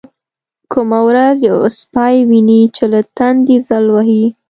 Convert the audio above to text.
کومه ورځ يو سپى ويني چې له تندې ځل وهلى.